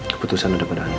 keputusan ada pada anda